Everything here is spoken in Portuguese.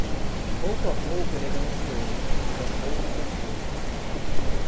Pouco a pouco ele é ganancioso, com pouco consolo.